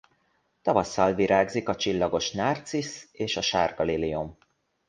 Tavasszal virágzik a csillagos nárcisz és a sárga liliom.